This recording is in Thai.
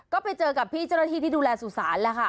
ก็ไปเจอกับพี่เจ้าหน้าที่ที่ดูแลสุสานแล้วค่ะ